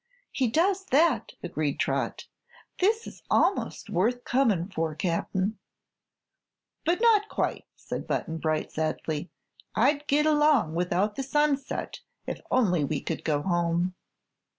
"He does that!" agreed Trot. "This is almost worth comin' for, Cap'n." "But not quite," said Button Bright, sadly. "I'd get along without the sunset if only we could go home."